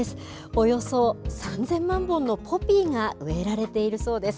およそ３０００万本のポピーが植えられているそうです。